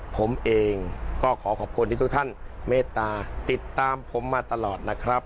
ผมเองก็ขอขอบคุณที่ทุกท่านเมตตาติดตามผมมาตลอดนะครับ